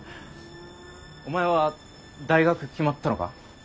お前は大学決まったのか？